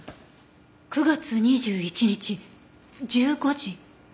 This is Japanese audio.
９月２１日１５時。